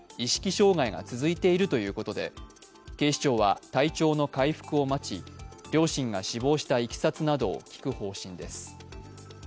障害が続いているということで警視庁は体調の回復を待ち両親が死亡したいきさつなどを聴く方針です。